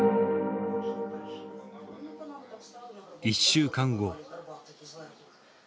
１週間後。